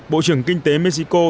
bộ trưởng kinh tế mexico